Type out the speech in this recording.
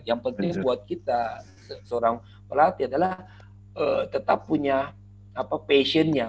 yang penting buat kita seorang pelatih adalah tetap punya passionnya